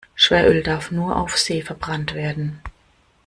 Schweröl darf nur auf See verbrannt werden.